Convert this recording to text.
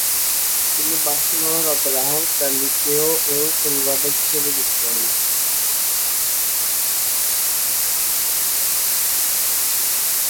তিনি বার্সেলোনার opera house the লিকেউ-এও সেলোবাদক হিসেবে যুক্ত হন।